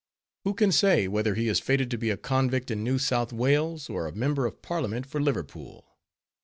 Who can say, whether he is fated to be a convict in New South Wales, or a member of Parliament for Liverpool?